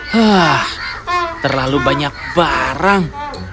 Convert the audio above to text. hah terlalu banyak barang